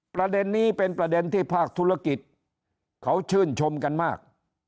ประเด็นนี้เป็นประเด็นที่ภาคธุรกิจเขาชื่นชมกันมาก